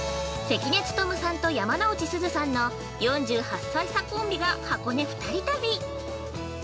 ◆関根勤さんと山之内すずさんの４８歳差コンビが箱根２人旅。